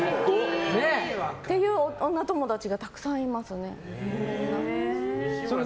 っていう女友達がたくさんいます。